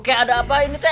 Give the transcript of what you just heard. keh ada apa ini teh